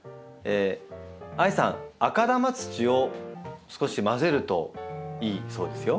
あいさん赤玉土を少し混ぜるといいそうですよ。